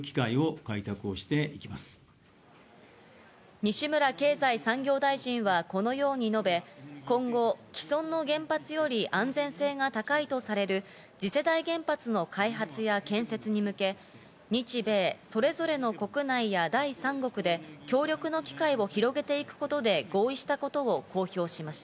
西村経済再生担当大臣は、このように述べ、今後、既存の原発より安全性が高いとされる次世代原発の開発や建設に向け、日米それぞれの国内や第三国で協力の機会を広げていくことで合意したことを公表しました。